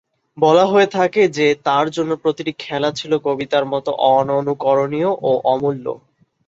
বলা হয়ে থাকে যে, "তার জন্য প্রতিটি খেলা ছিল কবিতার মত অননুকরণীয় ও অমূল্য।"